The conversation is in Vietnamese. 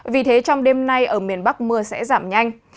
vì thế trong đêm nay ở miền bắc mưa sẽ giảm nhanh